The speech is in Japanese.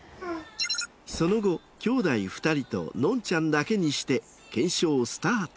その後兄弟２人とノンちゃんだけにして検証スタート。